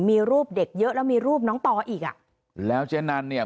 มีรูปเด็กเยอะแล้วมีรูปน้องต่ออีกอ่ะแล้วเจ๊นันเนี่ย